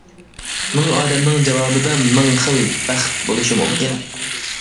مىڭ ئادەمنىڭ جاۋابىدا، مىڭ خىل بەخت بولۇشى مۇمكىن.